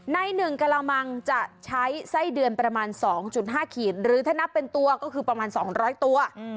ใน๑กระมังจะใช้ไส้เดือนประมาณ๒๕ขีดหรือถ้านับเป็นตัวก็คือประมาณ๒๐๐ตัว